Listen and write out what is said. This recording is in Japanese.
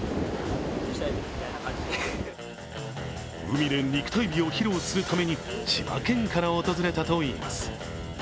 海で肉体美を披露するために千葉県から訪れたといいます。